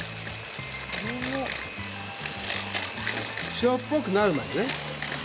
白っぽくなるまでですね。